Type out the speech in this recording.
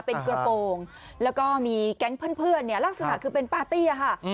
เป็นกระโปรงแล้วก็มีแก๊งเพื่อนเนี่ยลักษณะคือเป็นปาร์ตี้ค่ะ